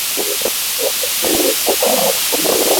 Mama ninakupenda.